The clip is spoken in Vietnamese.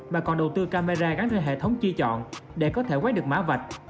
mà còn đầu tư camera gắn ra hệ thống chi chọn để có thể quét được má vạch